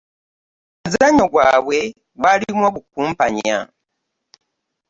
Omuzannyo gwabwe gwalimu obukumpanya.